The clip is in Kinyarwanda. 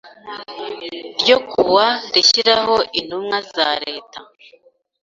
ryo ku wa rishyiraho Intumwa za Leta